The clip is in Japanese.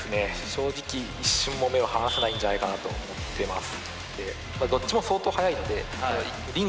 正直一瞬も目を離せないんじゃないかなと思っています。